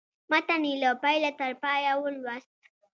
متن یې له پیله تر پایه ولوست.